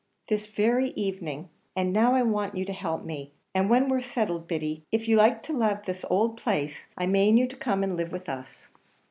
"This very evening; and now I want you to help me, and when we're settled, Biddy, if you like to lave this ould place, I mane you to come and live with us."